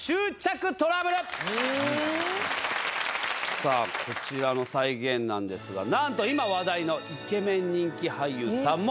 さあこちらの再現なんですが何と今話題のイケメン人気俳優さんも。